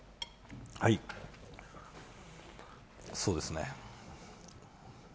はいそうですね